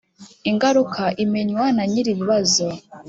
Ingaruka imenywa nanyiri bibazo.